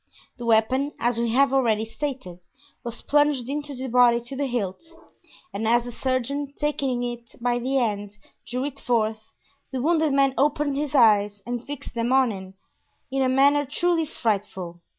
The weapon, as we have already stated, was plunged into the body to the hilt, and as the surgeon, taking it by the end, drew it forth, the wounded man opened his eyes and fixed them on him in a manner truly frightful.